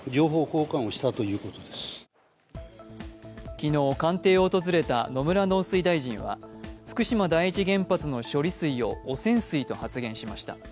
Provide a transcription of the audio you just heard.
昨日、官邸を訪れた野村農水大臣は福島第一原発の処理水を汚染水と発言しました。